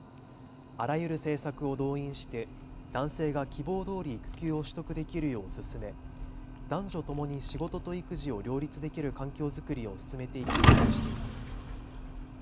あらゆる政策を動員して男性が希望どおり育休を取得できるよう進め男女ともに仕事と育児を両立できる環境作りを進めていきたいとしています。